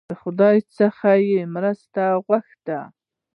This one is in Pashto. خدای څخه یې مرسته وغوښته.